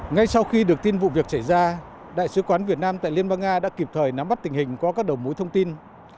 ngay sau khi được tin vụ việc xảy ra đại sứ quán việt nam tại liên bang nga đã kịp thời nắm bắt tình hình có các đầu mối thông tin